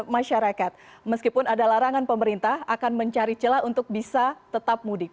masyarakat meskipun ada larangan pemerintah akan mencari celah untuk bisa tetap mudik